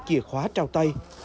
chìa khóa trao tay